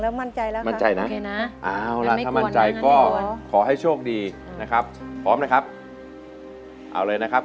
เราจะเปิดท่อนั้นให้ฟังทั้งท่อนเลย